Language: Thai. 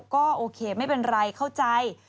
ก็โอเคไม่เป็นไรเข้าใจ